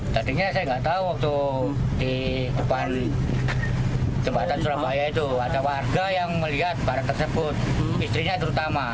tadinya saya nggak tahu waktu di depan jembatan surabaya itu ada warga yang melihat barang tersebut istrinya terutama